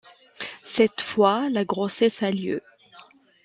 Cette fois, la grossesse a lieu.